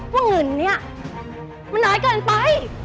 ว่าเงินเนี่ยมันน้อยเกินไป